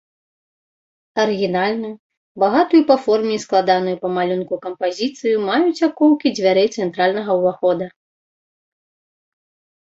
Арыгінальную, багатую па форме і складаную па малюнку кампазіцыю маюць акоўкі дзвярэй цэнтральнага ўвахода.